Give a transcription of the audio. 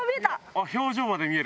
表情まで見える。